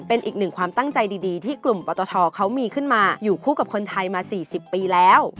เป็นอีกหนึ่งความตั้งใจดีที่กลุ่มปตทเขามีขึ้นมาอยู่คู่กับคนไทยมา๔๐ปีแล้ว